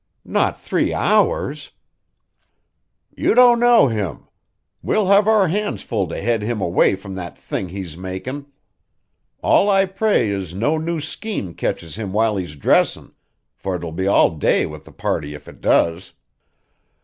"Not three hours!" "You don't know him. We'll have our hands full to head him away from that thing he's makin'. All I pray is no new scheme ketches him while he's dressin', for 'twill be all day with the party if it does."